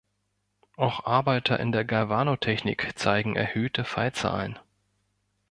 Auch Arbeiter in der Galvanotechnik zeigen erhöhte Fallzahlen.